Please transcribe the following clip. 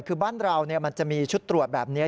คือบ้านเรามันจะมีชุดตรวจแบบนี้